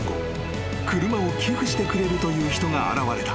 ［車を寄付してくれるという人が現れた］